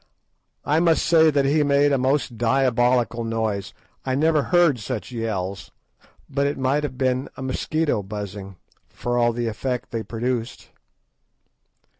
I must say that he made a most diabolical noise. I never heard such yells; but it might have been a mosquito buzzing for all the effect they produced.